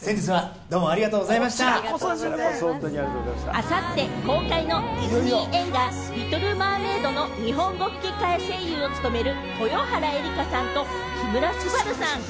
あさって公開のディズニー映画『リトル・マーメイド』の日本語吹き替え声優を務める豊原江理佳さんと木村昴さん。